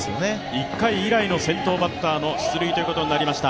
１回以来の先頭バッターの出塁ということになりました。